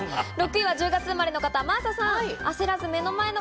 ６位は１０月生まれの方、真麻さん。